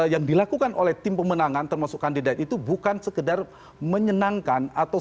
yang dilakukan oleh tim pemenangan termasuk kandidat itu bukan sekedar menyenangkan atau